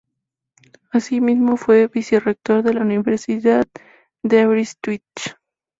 Asimismo, fue vicerrector de la Universidad de Aberystwyth.